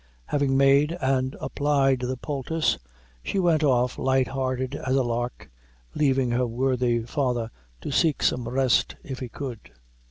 Having made and applied the poultice, she went off, light hearted as a lark, leaving her worthy father to seek some rest if he could.